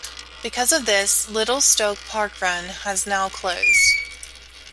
Because of this, Little Stoke Parkrun has now closed.